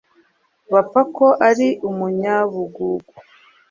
bapfa ko ari umunyabugugu